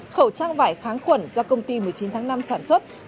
khẩu trang vải kháng khuẩn do công ty một mươi chín tháng năm sản xuất